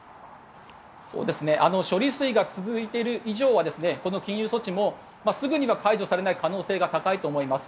処理水が続いている以上はこの禁輸措置もすぐには解除されない可能性が高いと思います。